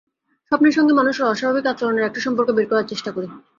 স্বপ্নের সঙ্গে মানুষের অস্বাভাবিক আচরণের একটা সম্পর্ক বের করার চেষ্টা করি।